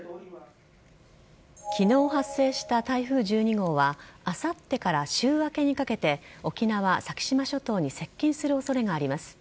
昨日発生した台風１２号はあさってから週明けにかけて沖縄・先島諸島に接近する恐れがあります。